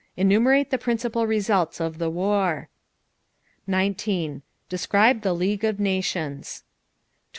Enumerate the principal results of the war. 19. Describe the League of Nations. 20.